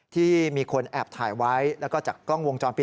ที่มีคนแอบถ่ายไว้แล้วก็จากกล้องวงจรปิด